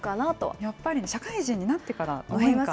やっぱり社会人になってから思いますか？